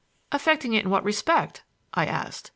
"Affecting it in what respect?" I asked.